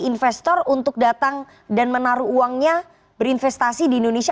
investor untuk datang dan menaruh uangnya berinvestasi di indonesia